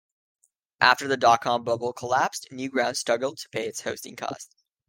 After the dot-com bubble collapsed, Newgrounds struggled to pay its hosting costs.